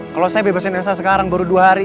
kalau saya bebasin esa sekarang baru dua hari